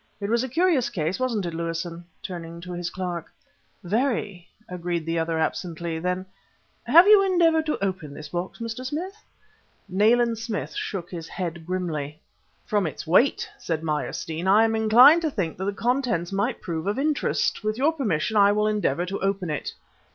It was a curious case, wasn't it, Lewison?" turning to his clerk. "Very," agreed the other absently; then "Have you endeavored to open this box, Mr. Smith?" Nayland Smith shook his head grimly. "From its weight," said Meyerstein, "I am inclined to think that the contents might prove of interest. With your permission I will endeavor to open it."